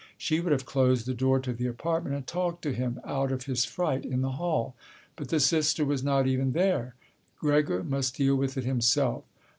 She would have closed the door to the apartment and talked him out of his fright in the hall. But the sister was not even there. Gregor must deal with it himself.